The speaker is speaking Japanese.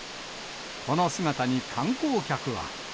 この姿に観光客は。